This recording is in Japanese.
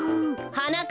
はなか